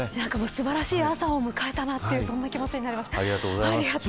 素晴らしい朝を迎えたという気持ちになりました。